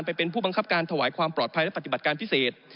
ไปเป็นผู้บังคับการถวายความปลอดภัยและปฏิบัติการพิเศษ